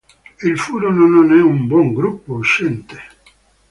Il Fluoro non è un buon gruppo uscente.